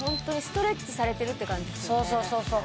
そうそうそうそう。